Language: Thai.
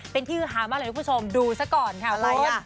เป็นที่หามากเลยคุณผู้ชมดูซะก่อนค่ะอะไรอ่ะ